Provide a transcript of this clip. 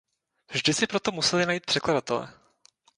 Vždy si proto museli najít překladatele.